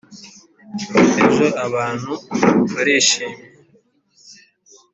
ejo abantu barishimye